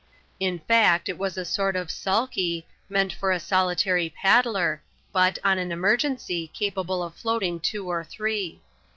In fact, it was a sort of " sulky," meant for a solitary paddler, but, on an emergency, capable of floating two or three.